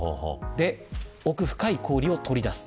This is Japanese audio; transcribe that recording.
で、奥深い氷を取り出す。